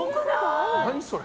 何それ。